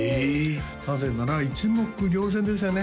なぜなら一目瞭然ですよね